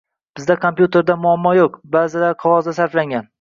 Bizda kompyuterda maʼlumotlar yoʻq, baʼzilari qogʻozga sarflangan.